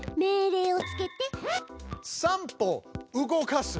「３歩動かす」。